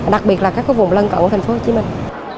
đặc biệt là các vùng lân cận của thành phố hồ chí minh